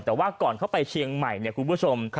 แต่ว่าก่อนเข้าไปเชียงใหม่เนี่ยคุณผู้ชม